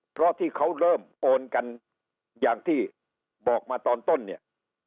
เพราะที่เขาเริ่มโอนกันอย่างที่บอกมาตอนต้นเนี่ย